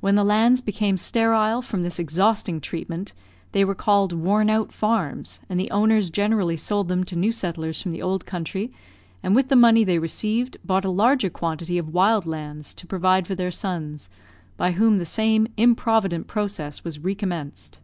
When the lands became sterile, from this exhausting treatment, they were called "worn out farms;" and the owners generally sold them to new settlers from the old country, and with the money they received, bought a larger quantity of wild lands, to provide for their sons; by whom the same improvident process was recommenced.